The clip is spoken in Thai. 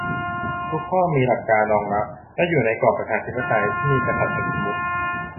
ทุกข้อมีหลักการรองรับและอยู่ในกรอบประชาธิปไตยที่มีกษัตริย์เป็นประมุข